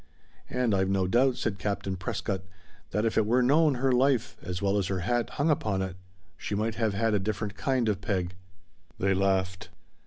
"And I've no doubt," said Captain Prescott, "that if it were known her life, as well as her hat, hung upon it she might have had a different kind of peg." They laughed.